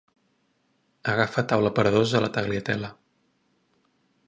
Agafa taula per dos a la Tagliatella.